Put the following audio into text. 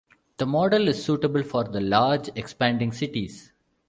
The model is suitable for the large, expanding cities.